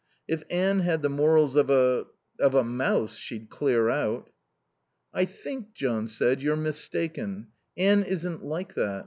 If Anne had the morals of a of a mouse, she'd clear out." "I think," John said, "you're mistaken. Anne isn't like that....